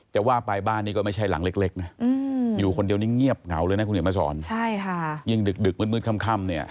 แต่ว่าปลายบ้านนี่ก็ไม่ใช่หลังเล็ก